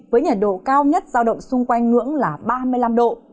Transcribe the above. với nhiệt độ cao nhất giao động xung quanh ngưỡng là ba mươi năm độ